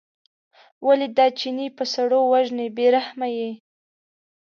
ولې دا چینی په سړو وژنې بې رحمه یې.